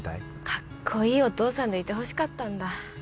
カッコイイお父さんでいてほしかったんだ